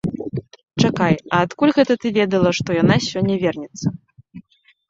Чакай, а адкуль гэта ты ведала, што яна сёння вернецца?